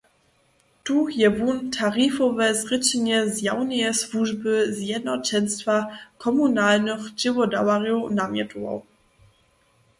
Tu je wón tarifowe zrěčenje zjawneje słužby zjednoćenstwa komunalnych dźěłodawarjow namjetował.